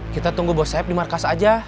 kita tunggu bos saeb di markas aja